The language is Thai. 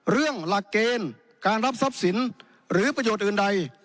หลักเกณฑ์การรับทรัพย์สินหรือประโยชน์อื่นใด